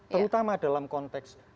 terutama dalam konteks